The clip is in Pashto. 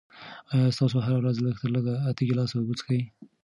آیا تاسو هره ورځ لږ تر لږه اته ګیلاسه اوبه څښئ؟